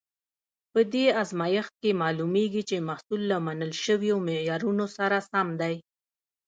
په دې ازمېښت کې معلومیږي چې محصول له منل شویو معیارونو سره سم دی.